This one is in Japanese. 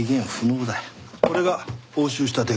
これが押収した手紙類。